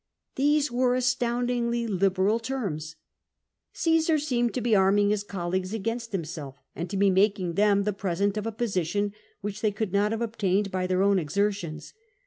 These were astouiidingly liberal terms ! Cmsar seemed to be arming his colleagues against himself, and to be making them the present of a position which they could not have obtained by their own exertions.